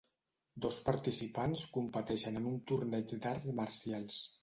Dos participants competeixen en un torneig d'arts marcials.